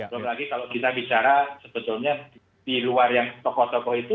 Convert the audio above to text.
belum lagi kalau kita bicara sebetulnya di luar yang tokoh tokoh itu